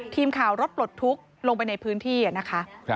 ทีมข่าวรถปลดทุกข์ลงไปในพื้นที่นะคะ